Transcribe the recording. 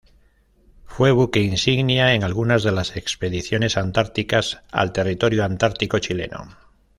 Fue buque insignia en algunas de las Expediciones Antárticas al Territorio Antártico Chileno.